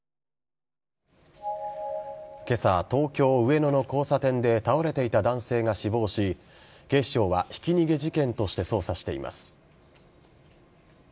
今朝、東京・上野の交差点で倒れていた男性が死亡し警視庁はひき逃げ事件として捜査しています。